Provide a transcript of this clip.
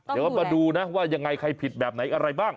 เดี๋ยวมาดูนะว่ายังไงใครผิดแบบไหนอะไรบ้าง